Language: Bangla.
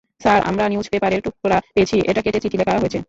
স্যার, আমরা নিউজপেপারের টুকরা পেয়েছি, এটা কেটে চিঠি লেখা হয়েছে।